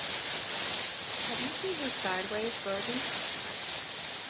Have you seen her sideways, Bertie?